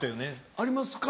ありますか？